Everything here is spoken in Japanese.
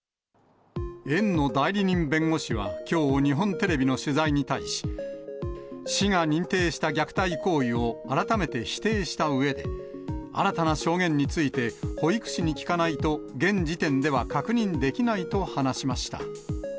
園の代理人弁護士は、きょう日本テレビの取材に対し、市が認定した虐待行為を改めて否定したうえで、新たな証言について、保育士に聞かないと、現時点では確認できないと話しました。